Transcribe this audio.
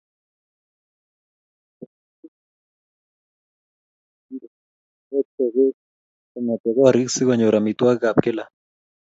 Boliik kokochini neranik boisiet neu nekiibe rotokek kongete korik si konyor amitwakikab kila